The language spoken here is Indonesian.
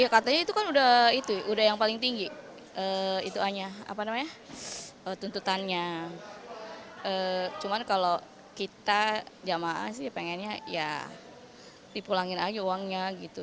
cuman kalau kita jamaah sih pengennya ya dipulangin aja uangnya gitu